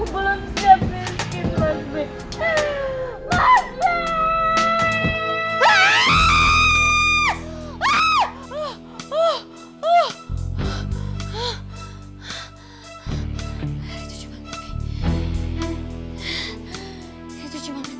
kalau enggak gue bisa dimarahin sama nyokap gue